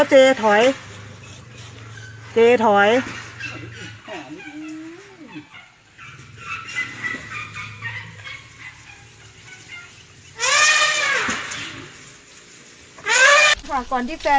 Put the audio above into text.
เจ๊อย่าออกไป